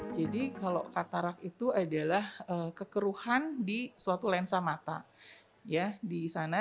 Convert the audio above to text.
jadi kalau katarak itu adalah kekeruhan di suatu lensa mata